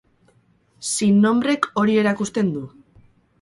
Sin nombrek hori erakusten du.